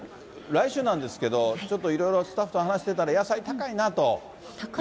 来週なんですけれども、ちょっといろいろスタッフと話してたら野菜高いなと。